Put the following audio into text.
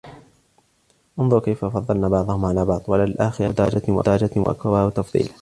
انظر كيف فضلنا بعضهم على بعض وللآخرة أكبر درجات وأكبر تفضيلا